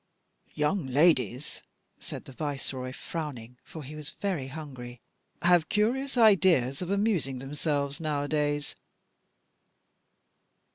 " Young ladies," said the Viceroy, frown ing, for he was very hungry, " have curious ideas of amusing themselves nowadays."